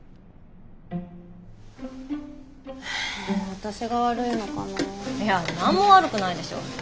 はあ私が悪いのかな？や何も悪くないでしょ。